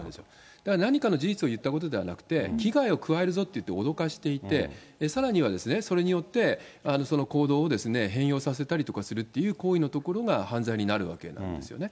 だから何かの事実をいったことではなくて、危害を加えるぞって言って脅かしていて、さらにはそれによってその行動を変容されたりとかするっていう行為のところが犯罪になるわけなんですよね。